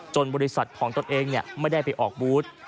บริษัทของตนเองไม่ได้ไปออกบูธ